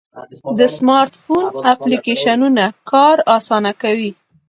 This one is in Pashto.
د سمارټ فون اپلیکیشنونه کار آسانه کوي.